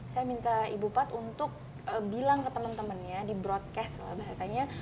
saya minta ibupat untuk bilang ke teman temannya di broadcast bahasanya